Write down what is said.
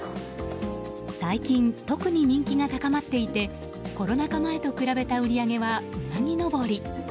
最近、特に人気が高まっていてコロナ禍前と比べた売上はうなぎ登り。